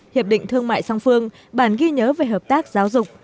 hiệp định thương mại song phương bản ghi nhớ về hợp tác giáo dục